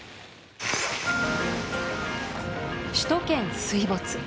首都圏水没。